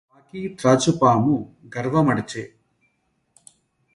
కాకి త్రాచుపాము గర్వ మడచె